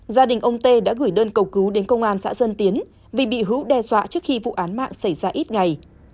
gia đình ông tê đã gửi đơn cầu cứu đến công an xã dân tiến vì bị hữu đe dọa trước khi vụ án mạng xảy ra ít ngày